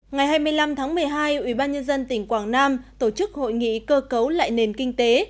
ngày hai mươi năm tháng một mươi hai ubnd tỉnh quảng nam tổ chức hội nghị cơ cấu lại nền kinh tế